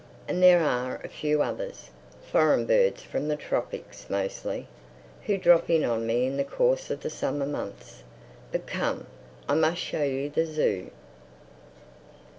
And there are a few others, foreign birds from the tropics mostly, who drop in on me in the course of the summer months. But come, I must show you the zoo."